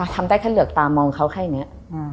ทำได้แค่เหลือกตามองเขาแค่นี้